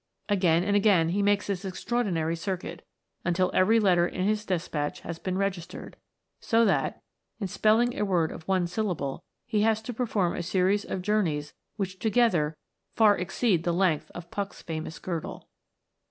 Again and again he makes this extraordinary circuit, until every letter in his despatch has been registered ; so that, in spelling a word of one syllable, he has to perform a series of journeys which together far exceed the length of Puck's famous girdle.